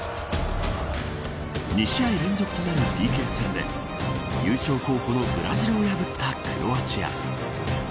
２試合連続となるＰＫ戦で優勝候補のブラジルを破ったクロアチア。